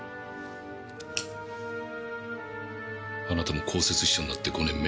あなたも公設秘書になって５年目。